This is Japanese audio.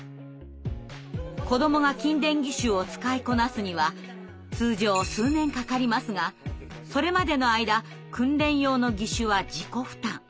子どもが筋電義手を使いこなすには通常数年かかりますがそれまでの間訓練用の義手は自己負担。